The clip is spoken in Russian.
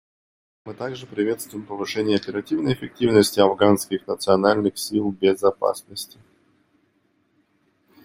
Мы также приветствуем повышение оперативной эффективности Афганских национальных сил безопасности.